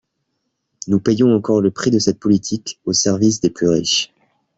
Nous payons encore le prix de cette politique au service des plus riches.